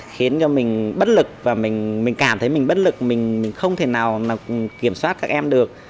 khiến cho mình bất lực và mình cảm thấy mình bất lực mình không thể nào kiểm soát các em được